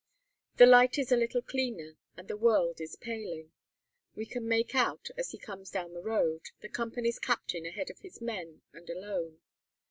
The light is a little cleaner, and the world is paling. We can make out, as he comes down the road, the company's captain, ahead of his men and alone.